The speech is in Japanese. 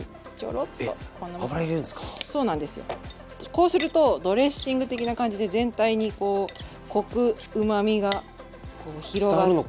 こうするとドレッシング的な感じで全体にこうコクうまみがこう広がって。